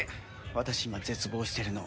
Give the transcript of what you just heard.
私今絶望してるの。